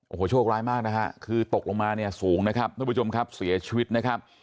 โอ้โหโชคร้ายมากนะฮะคือตกลงมาเนี่ยสูงนะครับท่านผู้ชมครับเสียชีวิตนะครับ